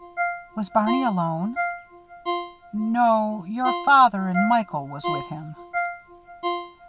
"Was Barney alone?" "No. Your father and Michael was with him."